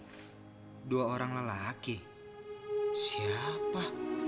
ibu tak coba lagi menjijik api